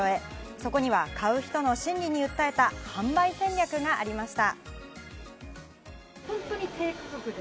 そこには買う人の心理に訴えた販売戦略がありました。